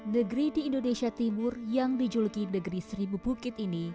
negeri di indonesia timur yang dijuluki negeri seribu bukit ini